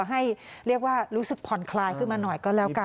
ให้เรียกว่ารู้สึกผ่อนคลายขึ้นมาหน่อยก็แล้วกัน